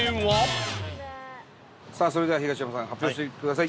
伊達：さあ、それでは東山さん、発表してください。